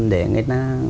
để người ta